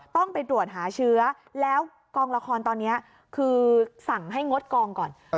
ต้องไปตรวจหาเชื้อแล้วกองละครตอนนี้คือสั่งให้งดกองก่อน